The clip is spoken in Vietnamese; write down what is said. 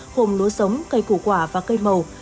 hồn lúa sống cây củ quả và cây màu